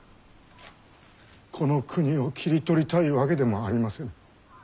この国を切り取りたいわけでもありませぬ。